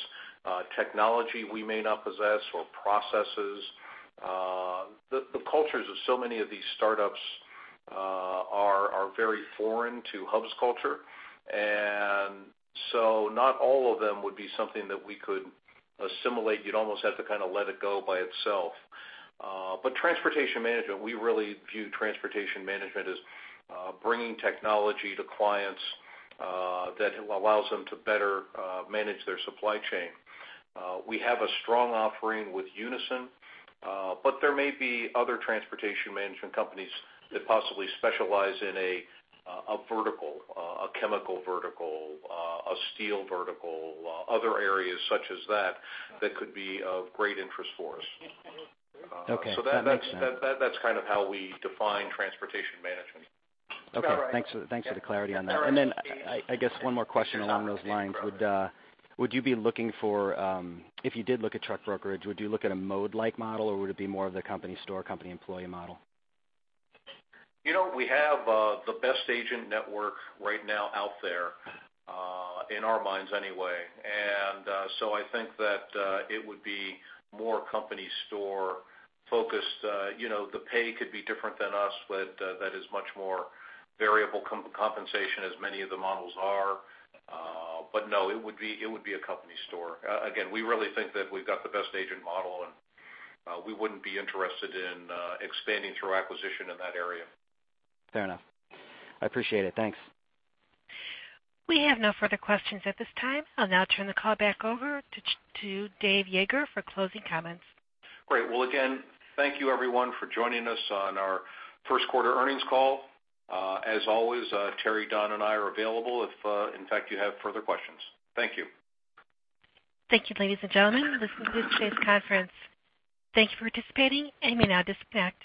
technology we may not possess or processes? The cultures of so many of these startups are very foreign to Hub's culture, and so not all of them would be something that we could assimilate. You'd almost have to kind of let it go by itself. But transportation management, we really view transportation management as bringing technology to clients that allows them to better manage their supply chain. We have a strong offering with Unyson, but there may be other transportation management companies that possibly specialize in a vertical, a chemical vertical, a steel vertical, other areas such as that, that could be of great interest for us. Okay. So that- That makes sense. That's kind of how we define transportation management. Okay, thanks for, thanks for the clarity on that. And then I guess one more question along those lines. Would you be looking for, if you did look at truck brokerage, would you look at a mode-like model, or would it be more of the company store, company employee model? You know, we have the best agent network right now out there, in our minds anyway. And so I think that it would be more company store-focused. You know, the pay could be different than us, but that is much more variable compensation, as many of the models are. But no, it would be, it would be a company store. Again, we really think that we've got the best agent model, and we wouldn't be interested in expanding through acquisition in that area. Fair enough. I appreciate it. Thanks. We have no further questions at this time. I'll now turn the call back over to Dave Yeager for closing comments. Great. Well, again, thank you everyone for joining us on our first quarter earnings call. As always, Terri, Don, and I are available if, in fact, you have further questions. Thank you. Thank you, ladies and gentlemen. This is today's conference. Thank you for participating, and you may now disconnect.